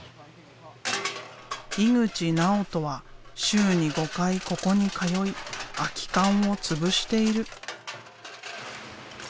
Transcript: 井口直人は週に５回ここに通い空き缶をつぶしている。